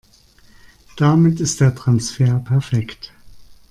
Damit ist der Transfer perfekt.